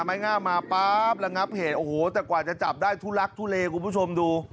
ไม้งามมาป๊าบระงับเหตุโอ้โหแต่กว่าจะจับได้ทุลักทุเลคุณผู้ชมดู